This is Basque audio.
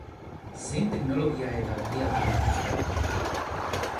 Zein teknologia eta baliabide dituzte?